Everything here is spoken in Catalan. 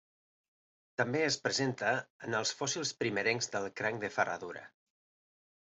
També es presenta en els fòssils primerencs del cranc de ferradura.